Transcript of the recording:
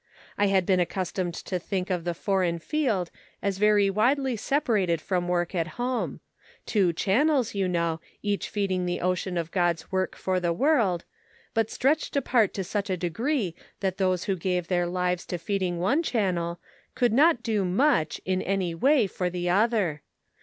I had been accustomed to think of the foreign field as very widely separated from work at home ; two channels you know, each feeding the Ocean of God's work for the world, but stretched apart to such a degree that those who gave their lives to feeding one channel, could not do much, in any way, for the other.